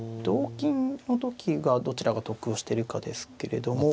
同金の時がどちらが得をしてるかですけれども。